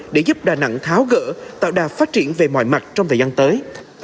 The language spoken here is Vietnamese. để giúp đà nẵng tháo gỡ tạo đà phát triển về mọi mặt trong thời gian tới